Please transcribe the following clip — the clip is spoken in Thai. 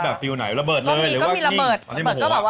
แปปเดี๋ยวทโทรเข้ามาแล้ว